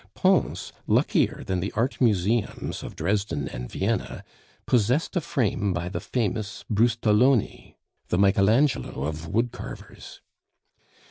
Pons, luckier than the art museums of Dresden and Vienna, possessed a frame by the famous Brustoloni the Michael Angelo of wood carvers.